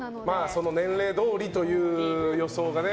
その年齢どおりという予想がね。